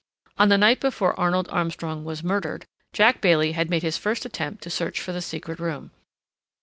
On the night before Arnold Armstrong was murdered, Jack Bailey had made his first attempt to search for the secret room.